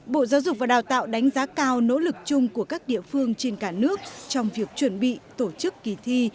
bộ giáo dục và đào tạo đánh giá cao nỗ lực chung của các địa phương trên cả nước trong việc chuẩn bị tổ chức kỳ thi